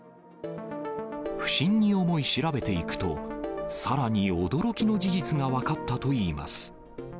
不審に思い調べていくと、さらに驚きの事実が分かったといいます。